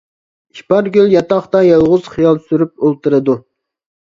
ئىپارگۈل ياتاقتا يالغۇز خىيال سۈرۈپ ئولتۇرىدۇ.